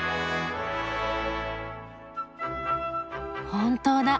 本当だ。